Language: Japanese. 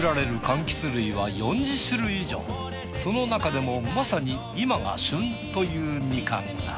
そのなかでもまさに今が旬というミカンが。